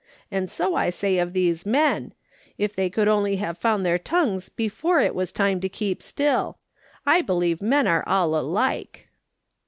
And so I say of these men ; if they could only have found their tongues before it was time to. keep still. I believe men are all alike.'